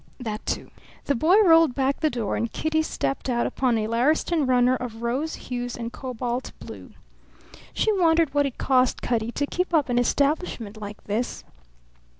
"That, too." The boy rolled back the door and Kitty stepped out upon a Laristan runner of rose hues and cobalt blue. She wondered what it cost Cutty to keep up an establishment like this.